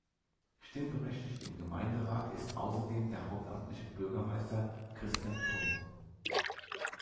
Stimmberechtigt im Gemeinderat ist außerdem der hauptamtliche Bürgermeister Christian Pundt.